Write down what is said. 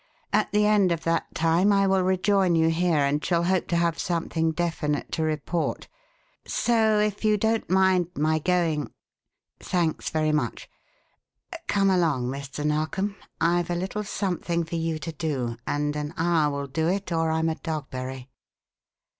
At the end of that time I will rejoin you here, and shall hope to have something definite to report. So if you don't mind my going Thanks very much. Come along, Mr. Narkom. I've a little something for you to do, and an hour will do it, or I'm a dogberry."